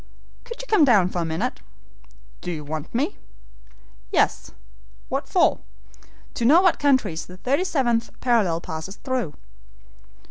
"Could you come down for a minute?" "Do you want me?" "Yes." "What for?" "To know what countries the thirty seventh parallel passes through."